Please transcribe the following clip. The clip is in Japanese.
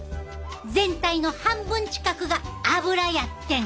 全体の半分近くが脂やってん。